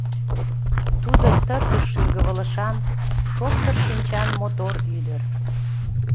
Тудо тыртыш шӱргывылышан, шоптыр шинчан мотор ӱдыр.